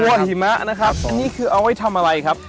หิมะนะครับอันนี้คือเอาไว้ทำอะไรครับ